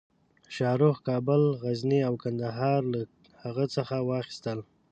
شاهرخ کابل، غزني او قندهار له هغه څخه واخیستل.